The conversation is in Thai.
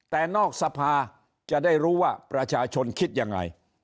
แต่นอกสภาจะได้รู้ว่าประชาชนคิดยังไง